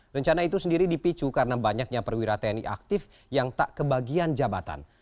rencana itu sendiri dipicu karena banyaknya perwira tni aktif yang tak kebagian jabatan